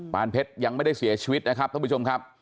เพชรยังไม่ได้เสียชีวิตนะครับท่านผู้ชมครับ